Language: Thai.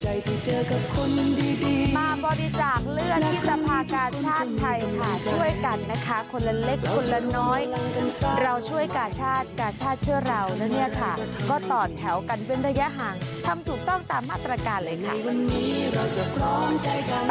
เราจะเจอกับคนดีมาบริจาคเลือดที่สภากาชาติไทยค่ะช่วยกันนะคะคนละเล็กคนละน้อยเราช่วยกาชาติกาชาติเชื่อเรานะเนี่ยค่ะก็ต่อแถวกันเป็นระยะห่างทำถูกต้องตามมาตรการเลยค่ะ